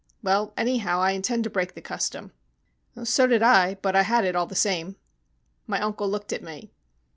"Well, anyhow, I intend to break the custom." "So did I, but I had it all the same." My uncle looked at me.